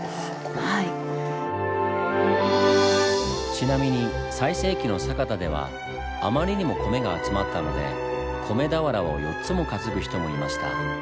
ちなみに最盛期の酒田ではあまりにも米が集まったので米俵を４つも担ぐ人もいました。